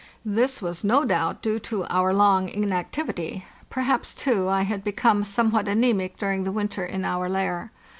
This was, no doubt, due to our long inactivity; perhaps, too, I had become somewhat anzmic during the winter in our lair.